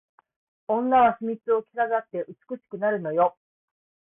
女は秘密を着飾って美しくなるのよ